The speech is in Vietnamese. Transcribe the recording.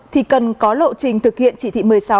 thì cần có lộ trình thực hiện chỉ thị một mươi sáu